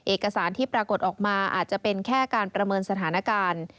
เอกสารที่ปรากฏออกมาอาจจะเป็นแค่การประเมินสถานการณ์